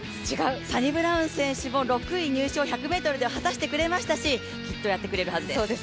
サニブラウン選手も６位入賞、１００ｍでは果たしてくれましたしきっとやってくれるはずです。